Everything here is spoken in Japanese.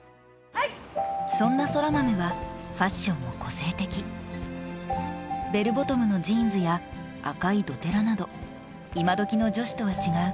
そんな空豆はファッションも個性的ベルボトムのジーンズや赤いどてらなどイマドキの女子とは違う